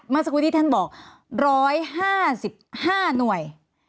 เมื่อสักครู่ที่ท่านบอก๑๕๕หน่วย